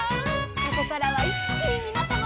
「ここからはいっきにみなさまを」